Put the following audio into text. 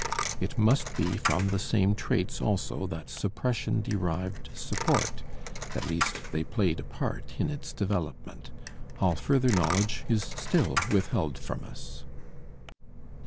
It must be from the same traits also that suppression derived support; at least they played a part in its development. All further knowledge is still withheld from us.